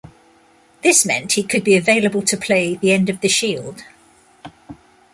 This meant he could be available to play the end of the Shield.